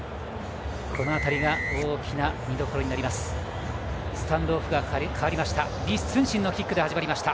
この辺りが大きな見どころになります。